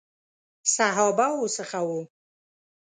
صحابه وو څخه وو.